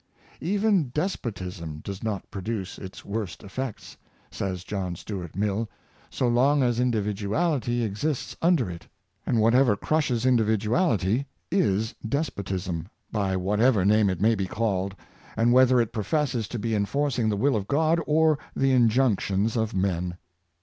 '' Even despotism does not produce its worst effects" says John Stuart Mill, so long as individuality exists under it; and whatever crushes individuality is despotism, by what ever name it may be called, and whether it professes to be enforcing the will of God or the injunctions of men."